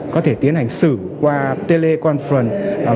có thể tiến hành xử qua teleconference